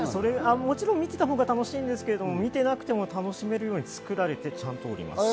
もちろん見てたほうが楽しいですが、見ていなくても楽しめるように作られております。